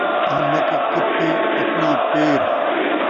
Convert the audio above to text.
احمق کپے اپݨا پیر